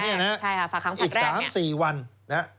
อีก๓๔วัน